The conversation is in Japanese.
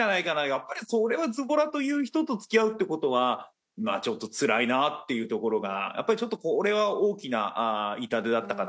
やっぱりそれはズボラという人と付き合うって事はちょっとつらいなっていうところがやっぱりちょっとこれは大きな痛手だったかなという。